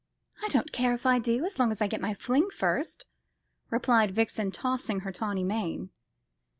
"I don't care if I do, as long as I get my fling first," replied Vixen, tossing her tawny mane.